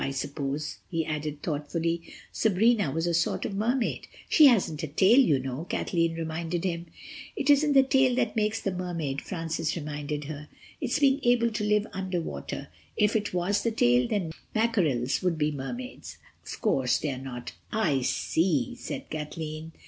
I suppose," he added thoughtfully, "Sabrina was a sort of Mermaid." "She hasn't a tail, you know," Kathleen reminded him. "It isn't the tail that makes the Mermaid," Francis reminded her. "It's being able to live underwater. If it was the tail, then mackerels would be Mermaids." "And, of course, they're not. I see," said Kathleen.